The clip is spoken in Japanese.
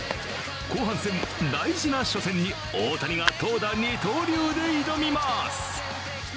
後半戦、大事な初戦に大谷が投打二刀流で挑みます。